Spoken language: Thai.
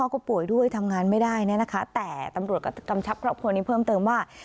ก็ป่วยด้วยทำงานไม่ได้เนี่ยนะคะแต่ตำรวจก็กำชับครอบครัวนี้เพิ่มเติมว่า